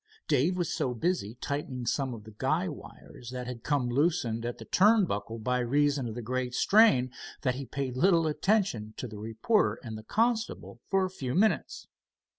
Dave was so busy tightening some of the guy wires that had come loosened at the turn buckle, by reason of the great strain, that he paid little attention to the reporter and the constable for a few minutes.